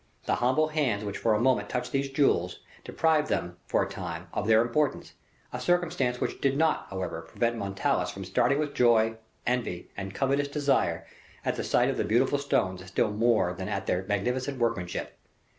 The humble hands which for a moment touched these jewels, deprived them, for the time, of their importance a circumstance which did not, however, prevent Montalais from starting with joy, envy, and covetous desire, at the sight of the beautiful stones still more than at their magnificent workmanship.